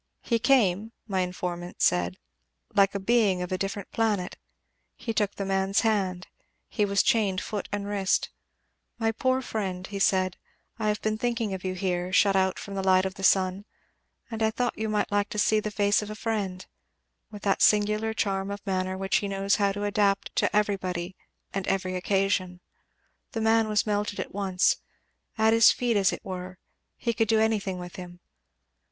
He came, my informant said, like a being of a different planet. He took the man's hand, he was chained foot and wrist, 'My poor friend,' he said, 'I have been thinking of you here, shut out from the light of the sun, and I thought you might like to see the face of a friend'; with that singular charm of manner which he knows how to adapt to everybody and every occasion. The man was melted at once at his feet, as it were; he could do anything with him.